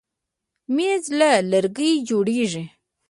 مېز له لرګي جوړېږي.